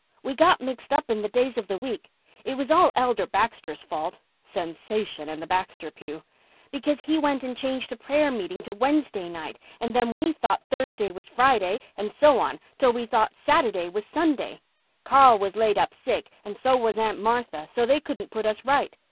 We got mixed up in the days of the week. It was all Elder Baxter's fault"—sensation in Baxter's pew—"because he went and changed the prayer meeting to Wednesday night and then we thought Thursday was Friday and so on till we thought Saturday was Sunday. Carl was laid up sick and so was Aunt Martha, so they couldn't put us right.